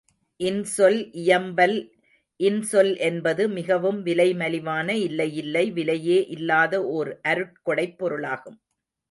இன்சொல் இயம்பல் இன்சொல் என்பது மிகவும் விலை மலிவான இல்லையில்லை விலையே இல்லாத ஓர் அருட்கொடைப் பொருளாகும்.